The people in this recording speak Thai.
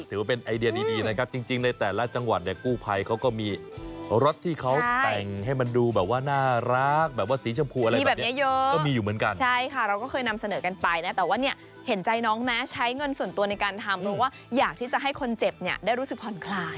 ถือว่าเป็นไอเดียดีดีนะครับจริงจริงในแต่ละจังหวัดเนี่ยกู้ภัยเขาก็มีรถที่เขาแต่งให้มันดูแบบว่าน่ารักแบบว่าสีชมพูอะไรมีแบบนี้เยอะก็มีอยู่เหมือนกันใช่ค่ะเราก็เคยนำเสนอกันไปนะแต่ว่าเนี่ยเห็นใจน้องไหมใช้เงินส่วนตัวในการทำเพราะว่าอยากที่จะให้คนเจ็บเนี่ยได้รู้สึกผ่อนคลาย